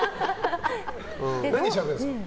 何しゃべるんですか？